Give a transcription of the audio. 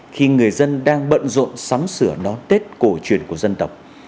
khi người dân đang bận rộn sắm sửa đón tết cổ truyền của dân tộc